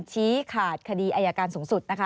ชี้ขาดคดีอายการสูงสุดนะคะ